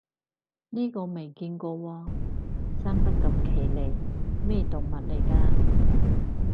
呢個未見過喎，生得咁奇離，咩動物嚟㗎